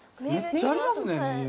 めっちゃありますねネイル。